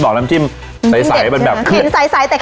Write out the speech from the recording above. บอกน้ำจิ้มใสเศสแต่เค้มข้นเออและสัสเมฆ